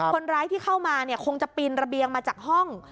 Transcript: คนร้ายที่เข้ามาคงจะปีนระเบียงมาจากห้อง